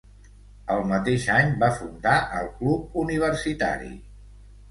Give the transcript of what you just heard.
El mateix any va fundar el Club Universitari.